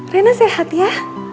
rena sehat ya